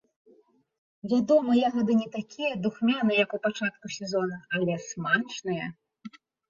Вядома, ягады не такія духмяныя, як у пачатку сезона, але смачныя.